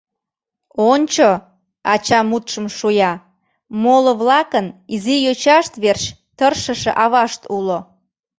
— Ончо, — ача мутшым шуя, — моло-влакын изи йочашт верч тыршыше авашт уло